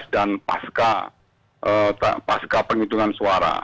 dan pasca penghitungan suara